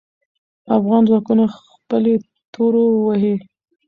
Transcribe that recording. افغان ځواکونه خپلې تورو وهې.